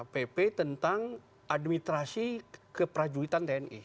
pp tentang administrasi keperajuitan tni